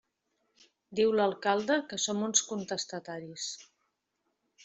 Diu l'alcalde que som uns contestataris.